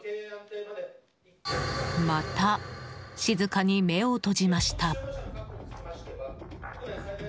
また、静かに目を閉じました。